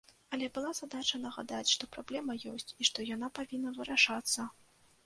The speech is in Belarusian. Але была задача нагадаць, што праблема ёсць, і што яна павінна вырашацца.